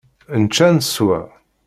Nečča neswa.